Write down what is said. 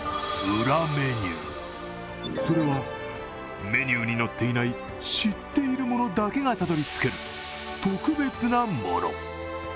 裏メニュー、それはメニューに載っていない知っている者だけがたどり着く特別なもの。